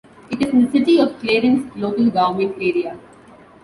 It is in the City of Clarence local government area.